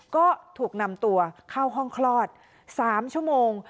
ก็ถูกนำตัวเข้าห้องคลอด๓ชั่วโมง